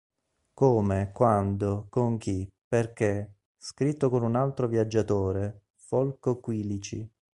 Come, quando, con chi, perché," scritto con un altro viaggiatore, Folco Quilici.